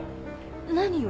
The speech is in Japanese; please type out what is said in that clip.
何を？